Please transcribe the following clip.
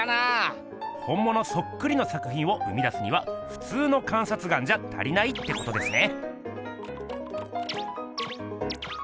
ほんものそっくりの作品を生み出すにはふつうの観察眼じゃ足りないってことですね。